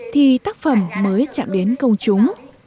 thì tác phẩm mới chạm đến công chúng